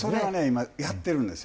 今やってるんですよ。